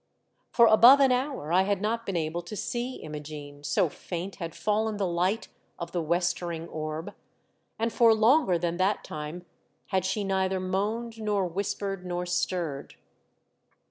For above an hour I had not been able to see Imogene, so faint had fallen the light of the westering orb, and for longer than that time had she neither moaned, nor whispered, nor stirred.